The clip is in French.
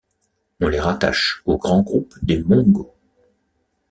On les rattache au grand groupe des Mongo.